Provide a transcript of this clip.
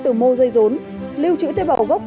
từ mô dây rốn lưu trữ tế bào gốc